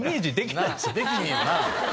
なあできへんよな？